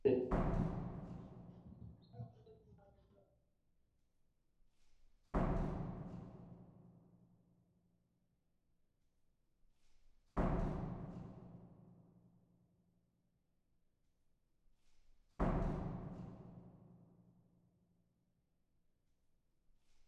তখন তো মনে হয়েছিল মারিও বালোতেল্লির জন্য অ্যানফিল্ডের দরজা বন্ধই হয়ে গেছে।